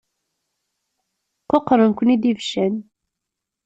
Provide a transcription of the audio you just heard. Quqṛen-ken-id ibeccan.